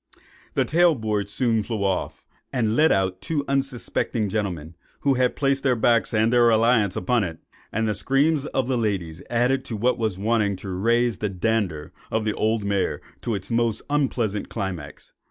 The tail board soon flew off, and let out two unsuspecting gentlemen, who had placed their backs and their reliance upon it; and the screams of the ladies added what was wanting to raise the "dander" of the old mare to its most unpleasant climax.